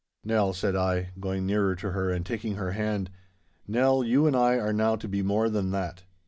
'Nell,' said I, going nearer to her, and taking her hand, 'Nell, you and I are now to be more than that.